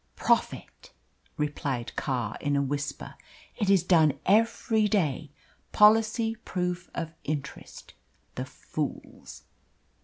"Profit," replied Carr, in a whisper. "It is done every day policy proof of interest the fools!"